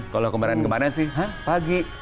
kalau kemarin kemarin sih pagi